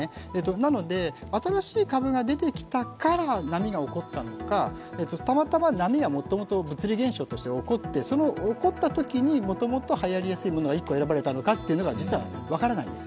なので、新しい株が出てきたから波が起こったのかたまたま波がもともと物理現象として起こってその起こったときにもともとはやりやすいものが１個選ばれたのかというのは実は分からないんです。